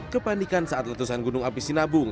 kepanikan saat letusan gunung api sinabung